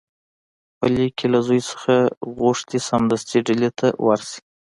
په لیک کې له زوی څخه غوښتي سمدستي ډهلي ته ورشي.